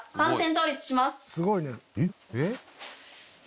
すごいね。